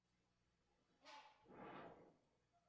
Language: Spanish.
Pasó su juventud en Odessa y Kiev.